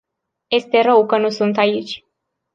Este rău că nu sunt aici.